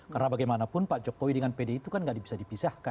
karena bagaimanapun pak jokowi dengan pdi itu kan gak bisa dipisahkan